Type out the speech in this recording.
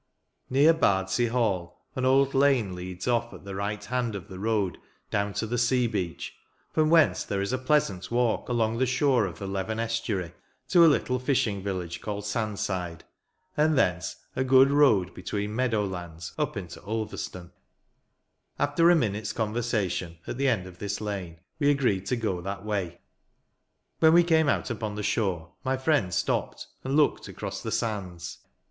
Near Bardsea Hall, an old lane leads off at the right hand of the road, down to the sea beach, from whence there is a pleasant walk along the shore of the Leven estuary, to a little fishing village, called Sandside, and thence a good road, between meadow lands, up into Ulverstone. After a minute's conversation, at the end of this lane, we agreed to go that way. When we came out upon the shore, my friend stopped, and looked across the sands.